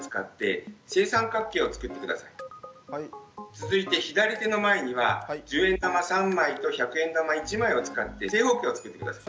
続いて左手の前には１０円玉３枚と１００円玉１枚を使って正方形を作って下さい。